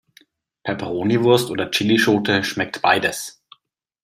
Peperoniwurst oder Chillischote schmeckt beides.